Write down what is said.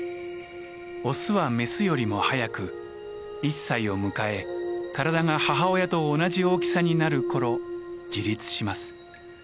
オスはメスよりも早く１歳を迎え体が母親と同じ大きさになる頃自立します。